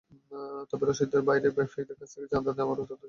তবে রসিদের বাইরে ব্যবসায়ীদের কাছ থেকে চাঁদা নেওয়ার তথ্য তাঁর জানা নেই।